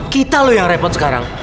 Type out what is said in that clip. kita loh yang repot sekarang